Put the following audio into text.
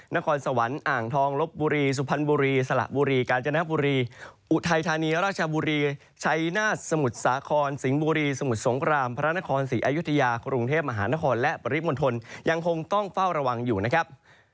นครสวรรค์อ่างทองลบบุรีสุพรรณบุรีสละบุรีกาญจนบุรีอุทัยธานีราชบุรีชัยนาฏสมุทรสาครสิงห์บุรีสมุทรสงครามพระนครศรีอยุธยากรุงเทพมหานครและปริมณฑลยังคงต้องเฝ้าระวังอยู่นะครับ